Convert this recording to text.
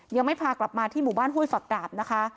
ยังไม่พากลับมาที่หมู่บ้านห้วยฝักดาบนะคะ